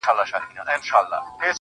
د نازولي یار په یاد کي اوښکي غم نه دی,